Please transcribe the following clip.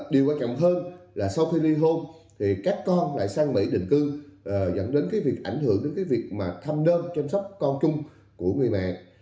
điều quan trọng hơn là sau khi ly hôn thì các con lại sang mỹ đình cư dẫn đến cái việc ảnh hưởng đến cái việc mà thăm đơn chăm sóc con chung của người mẹ